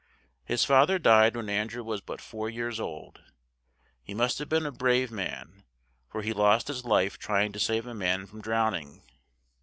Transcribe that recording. His fa ther died when An drew was but four years old; he must have been a brave man, for he lost his life try ing to save a man from drown ing.